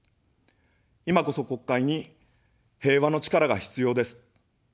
いまこそ国会に平和の力が必要です。